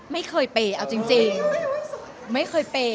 ไม่เคยเปย์เอาจริงไม่เคยเปย์